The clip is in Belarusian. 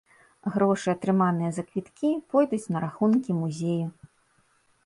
Грошы, атрыманыя за квіткі, пойдуць на рахункі музею.